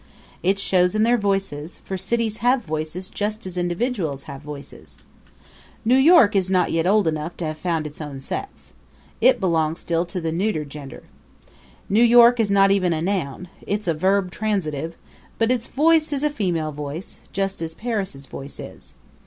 It shows in their voices; for cities have voices just as individuals have voices. New York is not yet old enough to have found its own sex. It belongs still to the neuter gender. New York is not even a noun it's a verb transitive; but its voice is a female voice, just as Paris' voice is.